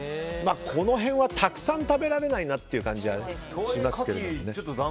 この辺はたくさん食べられないなという感じがしますが。